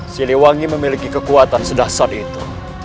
siliwangi memiliki kekuatan sedahsat itu